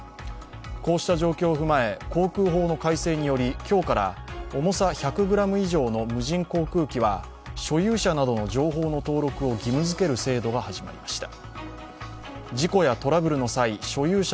こうした状況を踏まえ、航空法の改正により今日から重さ１００ｇ以上の無人航空機は所有者などの情報の登録を義務づける制度が始まりました。